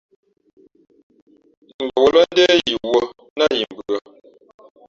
Mbαwᾱlᾱ ndé yī wᾱ nά yi mbʉ̄ᾱ.